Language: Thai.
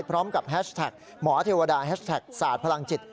พร้อมกับแฮชแท็กหมอเทวดาแฮชแท็กศาสตร์พลังจิต